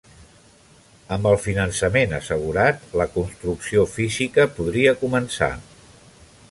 Amb el finançament assegurat, la construcció física podria començar.